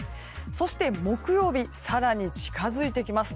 そして木曜日、更に近づいてきます。